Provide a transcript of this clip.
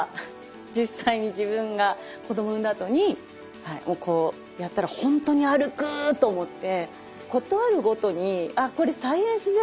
実際に自分が子供産んだあとにこうやったら「ほんとに歩く！」と思って。